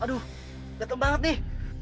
aduh gatel banget nih